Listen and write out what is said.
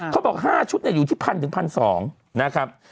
เขาบอก๕ชุดอยู่ที่๑๐๐๑๒๐๐นะครับ